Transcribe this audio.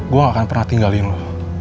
gue gak akan pernah tinggalin lo